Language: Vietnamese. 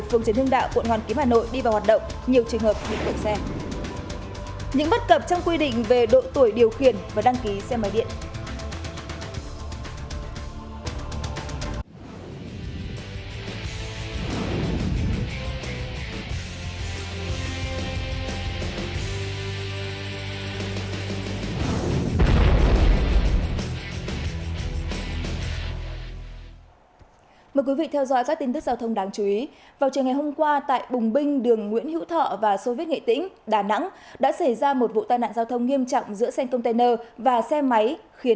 phường trần hương đạo quận hoàn kým hà nội đi vào hoạt động nhiều trường hợp bị bộ xe